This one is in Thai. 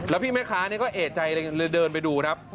แล้วพี่แม่ค้าก็เอกใจเลยเดินไปดูครับ